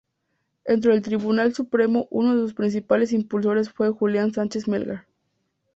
Dentro del Tribunal Supremo, uno de sus principales impulsores fue Julián Sánchez Melgar.